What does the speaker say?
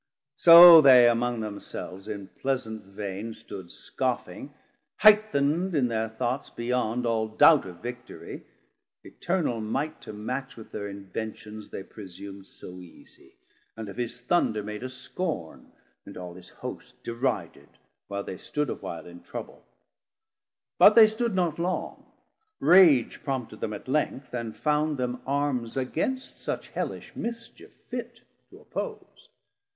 So they among themselves in pleasant veine Stood scoffing, highthn'd in thir thoughts beyond All doubt of Victorie, eternal might 630 To match with thir inventions they presum'd So easie, and of his Thunder made a scorn, And all his Host derided, while they stood A while in trouble; but they stood not long, Rage prompted them at length, & found them arms Against such hellish mischief fit to oppose.